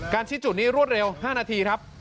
ชี้จุดนี้รวดเร็ว๕นาทีครับ